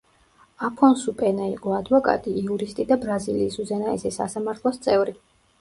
აფონსუ პენა იყო ადვოკატი, იურისტი და ბრაზილიის უზენაესი სასამართლოს წევრი.